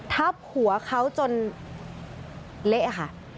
ทับหัวเขาจนเละค่ะ